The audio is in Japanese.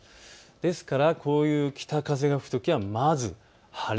ですからこういう北風が吹くときはまず晴れ。